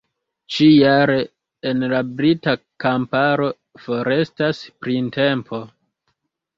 Ĉi-jare en la brita kamparo forestas printempo.